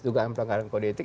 dugaan pelanggaran kodetik